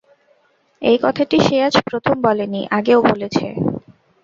এই কথাটি সে আজ প্রথম বলে নি, আগেও বলেছে।